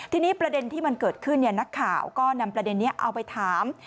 ทีนี้ประเด็นที่มันเกิดขึ้นนักข่าวก็นำประเด็นนี้เอาไปถาม